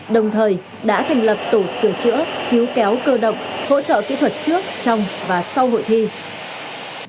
đồng thời đã thành lập tổ sửa chữa cứu kéo cơ động hỗ trợ kỹ thuật trước trong và sau hội thi